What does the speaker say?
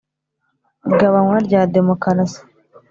igabanywa rya demokarasi.